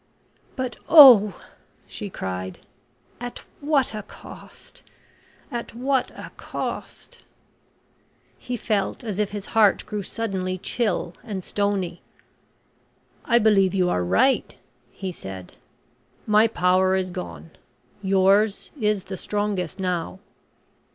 "But oh!" she cried, "at what a cost! at what a cost!" He felt as if his heart grew suddenly chill and stony. "I believe you are right," he said; "my power is gone yours is the strongest now."